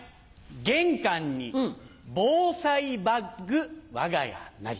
玄関に防災バッグ我が家なり。